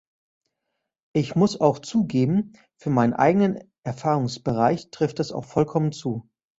Ich muss auch zugeben, für meinen eigenen Erfahrungsbereich trifft das auch vollkommen zu.